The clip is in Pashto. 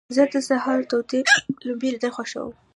زه د سهار تود لمبې لیدل خوښوم.